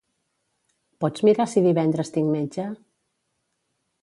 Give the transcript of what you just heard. Pots mirar si divendres tinc metge?